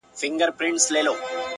ه بيا دي په سرو سترگو کي زما ياري ده!